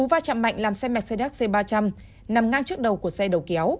cú va chạm mạnh làm xe mercedes c ba trăm linh nằm ngang trước đầu